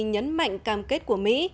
nhấn mạnh cam kết của mỹ